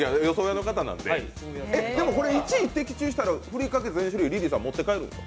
でも、１位的中したら、ふりかけ全種類リリーさん、持って帰るんですか？